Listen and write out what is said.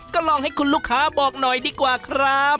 ก็ลองให้คุณลูกค้าบอกหน่อยดีกว่าครับ